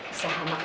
usaha makan satu